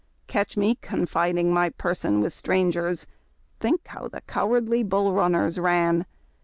Catch me confiding my person with strangers, Think how the cowardly Bull Runners ran